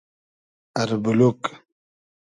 اربولوگ